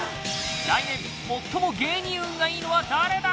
来年最も芸人運がいいのは誰だ？